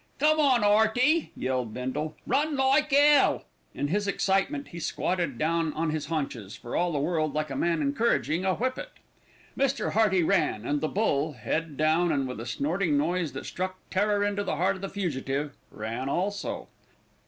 "Come on, 'Earty!" yelled Bindle. "Run like 'ell!" In his excitement he squatted down on his haunches, for all the world like a man encouraging a whippet. Mr. Hearty ran, and the bull, head down and with a snorting noise that struck terror to the heart of the fugitive, ran also.